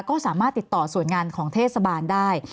ก็สามารถติดต่อส่วนงานของเทศบาลได้